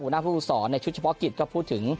หน้าผู้สอนในชุดเฉพาะกิจก็พูดถึง